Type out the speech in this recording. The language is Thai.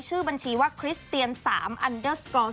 ชื่อบัญชีว่าคริสเตียน๓อันเดอร์สกอร์ส